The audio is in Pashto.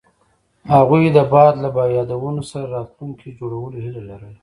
هغوی د باد له یادونو سره راتلونکی جوړولو هیله لرله.